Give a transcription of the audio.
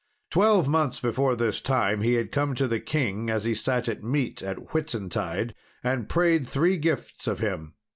Twelve months before this time he had come to the king as he sat at meat, at Whitsuntide, and prayed three gifts of him.